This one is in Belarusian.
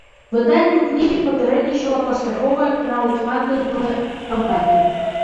Выданню кнігі папярэднічала паспяховая краўдфандынгавая кампанія.